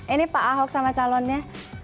ini pak ahok sama calonnya